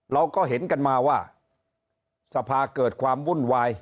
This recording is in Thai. เราก็เห็นกันมาว่าสภาเกิดความวุ่นวาย